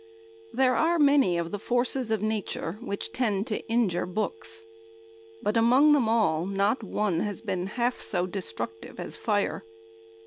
THERE are many of the forces of Nature which tend to injure Books; but among them all not one has been half so destructive as Fire.